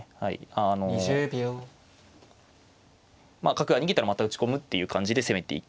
あの角が逃げたらまた打ち込むっていう感じで攻めていく。